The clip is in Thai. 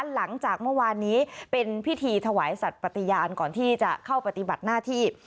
หลังจากเมื่อวานนี้เป็นพิธีถวายสัตว์ปฏิญาณก่อนที่จะเข้าปฏิบัติหน้าที่